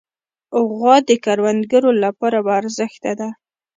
غوا د کروندګرو لپاره باارزښته ده.